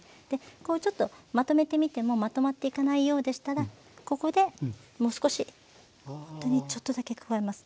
こうちょっとまとめてみてもまとまっていかないようでしたらここでもう少しほんとにちょっとだけ加えます。